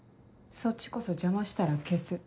そっちこそ邪魔したら消す。